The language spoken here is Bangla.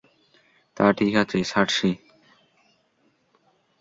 তা ঠিক আছে, সার্সি।